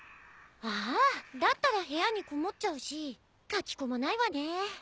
ああだったら部屋にこもっちゃうし書きこまないわね。